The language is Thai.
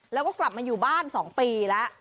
แล้วก็กลับมาอยู่บ้าน๒ปีแล้ว